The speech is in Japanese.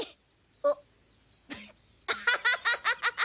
アッアハハハハ！